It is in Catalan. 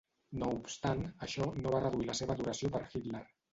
No obstant, això no va reduir la seva adoració per Hitler.